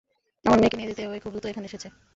আমার মেয়েকে নিয়ে যেতে এভাবেই খুব দ্রুত এখানে এসেছে।